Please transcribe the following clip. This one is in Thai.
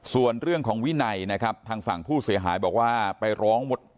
ส่วนเรื่องของวินัยนะครับทางฝั่งผู้เสียหายบอกว่าไปร้องหมด